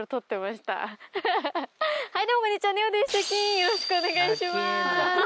よろしくお願いします！